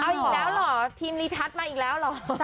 เอาอีกแล้วเหรอทีมรีทัศน์มาอีกแล้วเหรอ